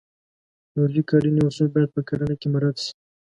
د عضوي کرنې اصول باید په کرنه کې مراعات شي.